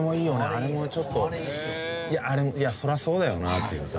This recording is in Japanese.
あれもちょっといやそりゃそうだよなっていうかさ